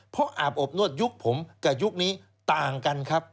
เพราะอาบอบนวดยุคผมกับยุคนี้ต่างกันครับ